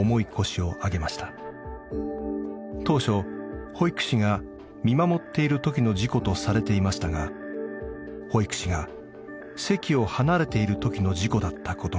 当初保育士が見守っているときの事故とされていましたが保育士が席を離れているときの事故だったことが確認されました。